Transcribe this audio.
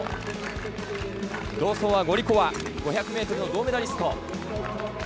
同走はゴリコワ、５００ｍの銅メダリスト。